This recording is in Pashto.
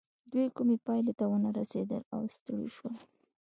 دوی کومې پايلې ته ونه رسېدل او ستړي شول.